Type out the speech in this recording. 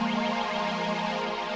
jadi jika dia terjadi kekerasan